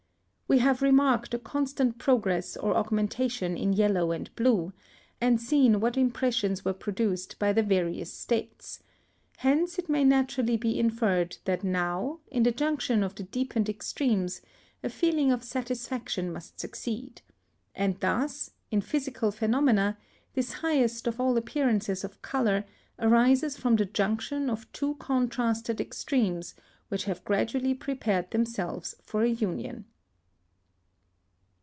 We have remarked a constant progress or augmentation in yellow and blue, and seen what impressions were produced by the various states; hence it may naturally be inferred that now, in the junction of the deepened extremes, a feeling of satisfaction must succeed; and thus, in physical phenomena, this highest of all appearances of colour arises from the junction of two contrasted extremes which have gradually prepared themselves for a union.